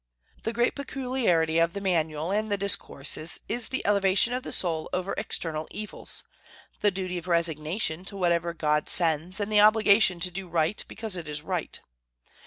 The great peculiarity of the "Manual" and the "Discourses" is the elevation of the soul over external evils, the duty of resignation to whatever God sends, and the obligation to do right because it is right.